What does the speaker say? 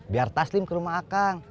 biar taslim ke rumah akang